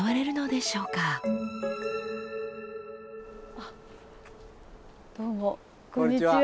あっどうもこんにちは。